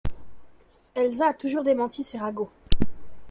Elsa a toujours démenti ces ragots.